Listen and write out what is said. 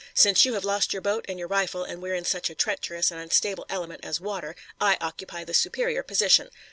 Since you have lost your boat and your rifle and we're in such a treacherous and unstable element as water, I occupy the superior position.